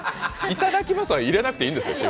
いただきますは入れなくていいんですよ。